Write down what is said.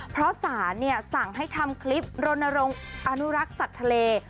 เพราะศาลเนี่ยสั่งให้ทำคลิปโรนโรงอนุรักษณ์สัตว์ทะเล